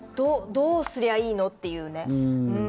どうすりゃいいの？っていうね。